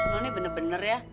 lo ini bener bener ya